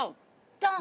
ドン！